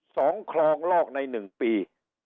สองคลองลอกในหนึ่งตัว